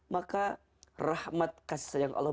maka rahmat kasih sayang allah